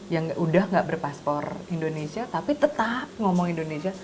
yang udah gak berpaspor indonesia tapi tetap ngomong indonesia